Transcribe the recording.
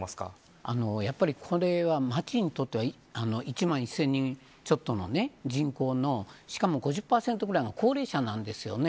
やっぱりこれは町にとっては１万１０００人ちょっとの人口のしかも５０％ぐらいが高齢者なんですよね。